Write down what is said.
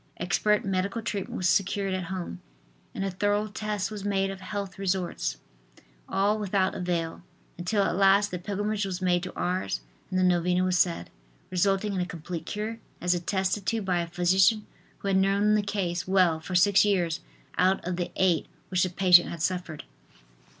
Expert medical treatment was secured at home and a thorough test was made of health resorts, all without avail, until at last the pilgrimage was made to Ars and the novena was said, resulting in a complete cure as attested to by a physician who had known the case well for six years out of the eight which the patient had suffered.